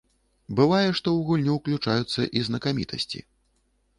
Бывае, што ў гульню ўключаюцца і знакамітасці.